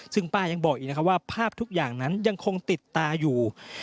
ซึ่งป้ายังบอกอีกนะครับว่าภาพทุกอย่างนั้นยังคงติดตาอยู่